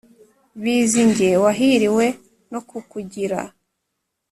Bizi njye wahiriwe no ku kugira